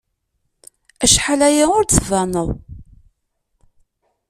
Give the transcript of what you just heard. Acḥal aya ur d-tbaneḍ.